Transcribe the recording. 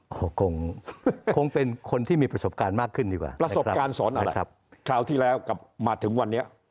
คงเป็นคนที่มีประสบการณ์มากขึ้นดีกว่าประสบการณ์สอนอะไรครับคราวที่แล้วกลับมาถึงวันนี้